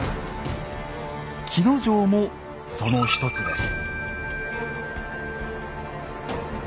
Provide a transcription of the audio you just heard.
鬼ノ城もその一つです。